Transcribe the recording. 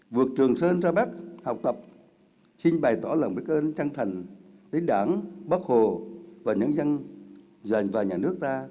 và nhân dân và nhà nước ta